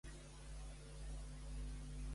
Atura la cançó "Oh Jennifer".